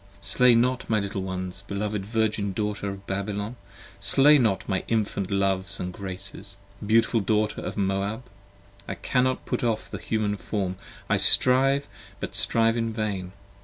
Slay not my little ones, beloved Virgin daughter of Babylon, Slay not my infant loves & graces, beautiful daughter of Moab. 1 cannot put off the human form, I strive but strive in vain.